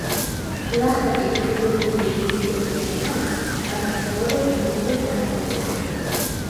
გლახაკი თუ დიდებული ეზიდებოდა განძს, მაგრამ სალაროები მაინც ვერ დააცარიელეს.